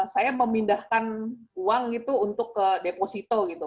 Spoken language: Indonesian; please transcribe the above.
saya memindahkan uang itu untuk ke deposito gitu